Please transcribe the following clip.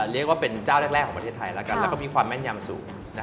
เรียกว่าเป็นเจ้าแรกของประเทศไทยแล้วกันแล้วก็มีความแม่นยำสูง